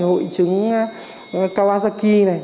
hội chứng kawasaki này